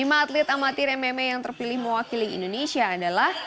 lima atlet amatir mma yang terpilih mewakili indonesia adalah